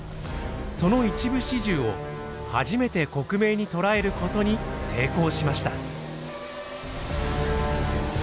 その一部始終を初めて克明に捉える事に成功しました。